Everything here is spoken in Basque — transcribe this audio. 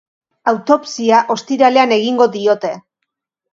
Autopsia ostiralean egingo diote.